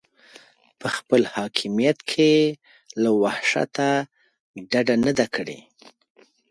په خپل حاکمیت کې یې له وحشته ډډه نه ده کړې.